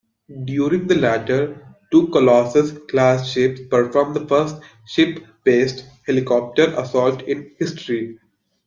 During the latter, two "Colossus"-class ships performed the first ship-based helicopter assault in history.